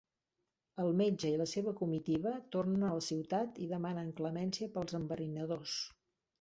El metge i la seva comitiva tornen a la ciutat i demanen clemència per als enverinadors.